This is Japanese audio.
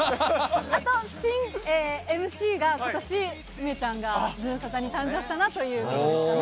あと、新ＭＣがことし梅ちゃんがズムサタに誕生したということですかね。